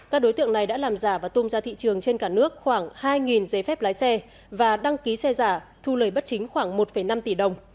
các đối tượng này đã làm giả và tung ra thị trường trên cả nước khoảng hai giấy phép lái xe và đăng ký xe giả thu lời bất chính khoảng một năm tỷ đồng